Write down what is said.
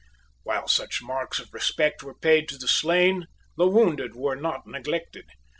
While such marks of respect were paid to the slain, the wounded were not neglected.